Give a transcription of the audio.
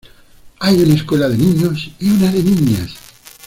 Hay una escuela de niños y una de niñas.